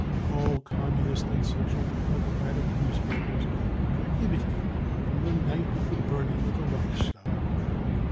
All Communist and Social Democratic newspapers were prohibited from the night of the burning of the Reichstag.